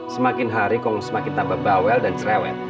semakin hari kong semakin tambah bawel dan cerewet